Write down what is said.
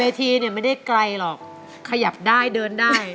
ทีเนี่ยไม่ได้ไกลหรอกขยับได้เดินได้